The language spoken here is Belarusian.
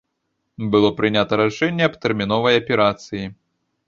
Было прынята рашэнне аб тэрміновай аперацыі.